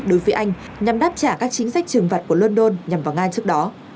đối với anh nhằm đáp trả các chính sách trừng phạt của london nhằm vào nga trước đó